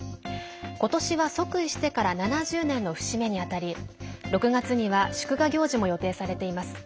ことしは即位してから７０年の節目に当たり６月には祝賀行事も予定されています。